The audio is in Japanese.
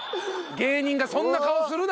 芸人がそんな顔するな！